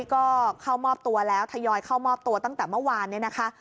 ก็เข้ามอบตัวแล้วทยอยเข้ามอบตัวตั้งแต่เมื่อวานเนี่ยนะคะ